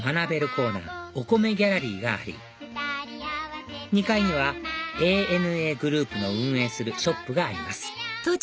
コーナーお米ギャラリーがあり２階にはＡＮＡグループの運営するショップがあります